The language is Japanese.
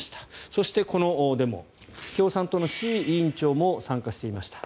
そして、このデモ、共産党の志位委員長も参加していました。